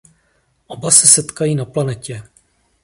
Oba se setkají na planetě.